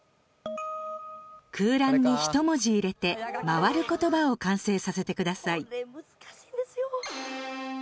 空欄に１文字入れて回る言葉を完成させてください。